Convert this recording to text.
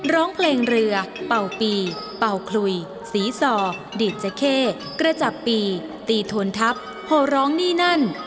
ร้องเพลงเรือเป่าปีเป่าคลุยสีสอดีดเจเข้กระจับปีตีโทนทัพโหร้องนี่นั่น